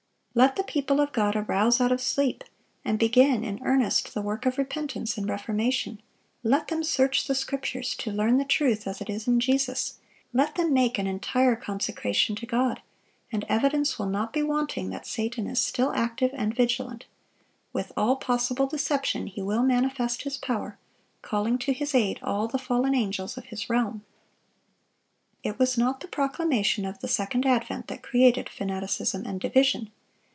Let the people of God arouse out of sleep, and begin in earnest the work of repentance and reformation; let them search the Scriptures to learn the truth as it is in Jesus; let them make an entire consecration to God, and evidence will not be wanting that Satan is still active and vigilant. With all possible deception he will manifest his power, calling to his aid all the fallen angels of his realm. It was not the proclamation of the second advent that created fanaticism and division.